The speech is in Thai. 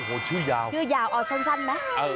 โอ้โหชื่อยาวชื่อยาวเอาสั้นไหม